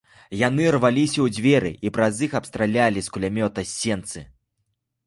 Яны рваліся ў дзверы і праз іх абстралялі з кулямёта сенцы.